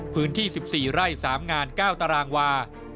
พื้นที่๑๔ไร่๓งาน๙ตารางวา